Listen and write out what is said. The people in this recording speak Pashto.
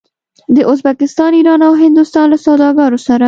د ازبکستان، ایران او هندوستان له سوداګرو سره